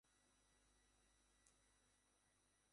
আবার সেই বোকাদের বাঁচাবার জন্যে তোমাদের মতো বুদ্ধিমানও সৃষ্টি করেন।